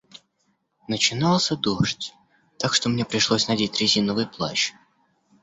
Начинался дождь, так что мне пришлось надеть резиновый плащ.